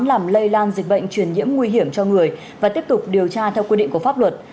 làm lây lan dịch bệnh truyền nhiễm nguy hiểm cho người và tiếp tục điều tra theo quy định của pháp luật